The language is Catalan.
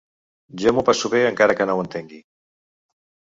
Jo m’ho passo bé encara que no ho entengui.